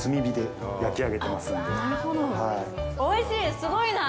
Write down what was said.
すごいなあ！